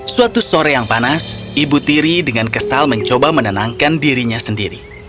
suatu sore yang panas ibu tiri dengan kesal mencoba menenangkan dirinya sendiri